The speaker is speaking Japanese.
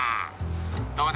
どうだ？